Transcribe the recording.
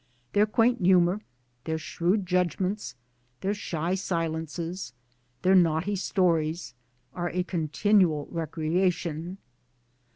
Their quaint humour, their shrewd judgments, their shy silences, their naughty stories, are a continual recreation.